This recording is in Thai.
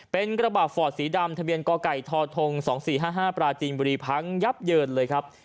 เป็นกระบะฟอร์ดสีดำทะเบียนกไก่ทธ๒๔๕๕ปราจีนบุรีพังยับเยินเลยครับ